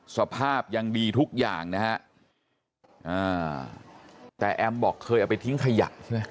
สภาพยังดีทุกอย่างนะฮะอ่าแต่แอมบอกเคยเอาไปทิ้งขยะใช่ไหม